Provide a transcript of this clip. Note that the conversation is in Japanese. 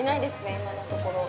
今のところ。